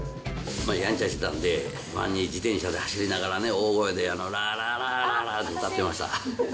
やんちゃしてたんで、自転車で走りながら大声で、らららららーって歌ってました。